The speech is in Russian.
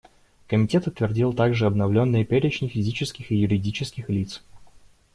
Комитет утвердил также обновленные перечни физических и юридических лиц.